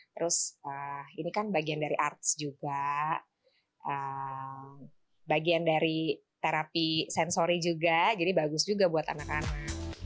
terus ini kan bagian dari arts juga bagian dari terapi sensori juga jadi bagus juga buat anak anak